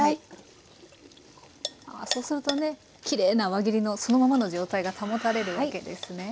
そうするとねきれいな輪切りのそのままの状態が保たれるわけですね。